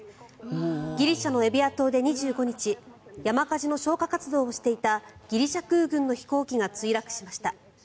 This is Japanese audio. ギリシャのエビア島で２５日山火事の消火活動をしていたギリシャ空軍の飛行機が墜落しました。